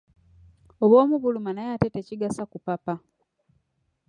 Obw'omu buluma naye ate tekigasa kupapa.